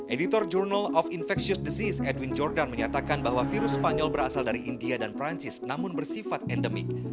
editor journal of infectious disease edwin jordan menyatakan bahwa virus spanyol berasal dari india dan perancis namun bersifat endemik